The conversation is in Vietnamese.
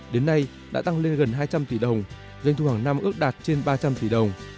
đến nay đã tăng lên gần hai trăm linh tỷ đồng doanh thu hàng năm ước đạt trên ba trăm linh tỷ đồng